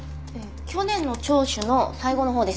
去年の聴取の最後のほうです。